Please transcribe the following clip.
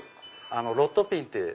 ロットピンって。